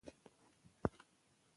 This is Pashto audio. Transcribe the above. چنګلونه د افغانستان د زرغونتیا نښه ده.